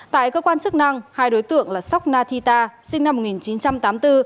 tại cơ quan chức năng hai đối tượng là sok nathita sinh năm một nghìn chín trăm tám mươi bốn